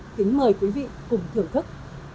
kính mời quý vị cùng thưởng thức